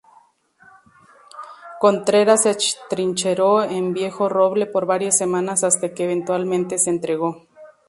Contreras se atrincheró en "Viejo Roble" por varias semanas hasta que eventualmente se entregó.